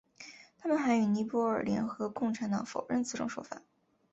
他们还与尼泊尔联合共产党否认此种说法。